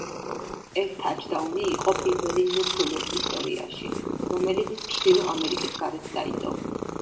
ეს თაჩდაუნი იყო პირველი ნფლ ისტორიაში, რომელიც ჩრდილო ამერიკის გარეთ დაიდო.